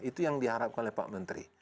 itu yang diharapkan oleh pak menteri